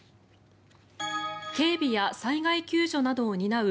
警備や災害救助などを担う